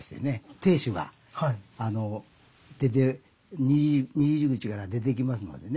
亭主がにじり口から出てきますのでね